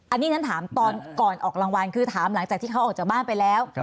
อันนี้ฉันถามตอนก่อนออกรางวัลคือถามหลังจากที่เขาออกจากบ้านไปแล้ว